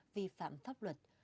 vi phạm pháp luật